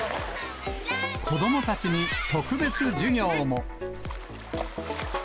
子どもたちに特別授業も。